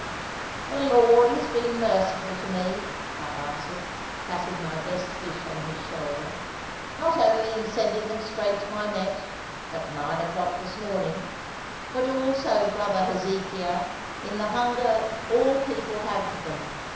"The Lord has been merciful to me," I answered, patting my best fish on his shoulder; "not only in sending them straight to my net, at nine o'clock this morning; but also, brother Hezekiah, in the hunger all people have for them.